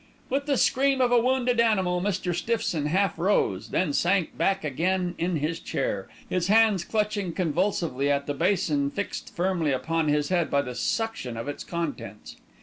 With the scream of a wounded animal, Mr. Stiffson half rose, then sank back again in his chair, his hands clutching convulsively at the basin fixed firmly upon his head by the suction of its contents.